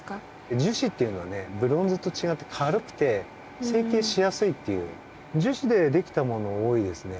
樹脂っていうのはねブロンズとちがって軽くて成形しやすいっていう樹脂でできたもの多いですね。